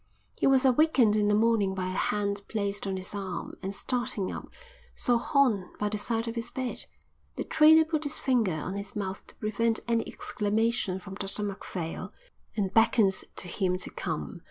He was awakened in the morning by a hand placed on his arm, and, starting up, saw Horn by the side of his bed. The trader put his finger on his mouth to prevent any exclamation from Dr Macphail and beckoned to him to come.